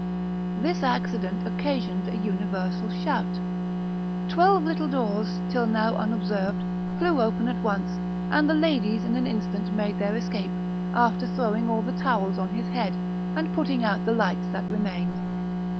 This accident occasioned a universal shout; twelve little doors, till now unobserved, flew open at once, and the ladies in an instant made their escape, after throwing all the towels on his head, and putting out the lights that remained.